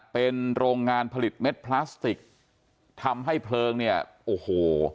เป็นโรงงานผลิตเม็ดพลาสติกทำให้เพลิงเนี่ยโอ้โห